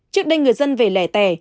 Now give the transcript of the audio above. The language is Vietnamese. trước đây người dân về lẻ tè